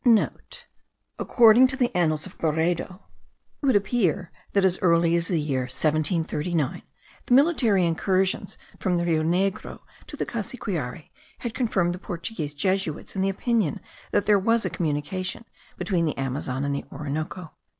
(* According to the Annals of Berredo, it would appear, that as early as the year 1739, the military incursions from the Rio Negro to the Cassiquiare had confirmed the Portuguese Jesuits in the opinion that there was a communication between the Amazon and the Orinoco.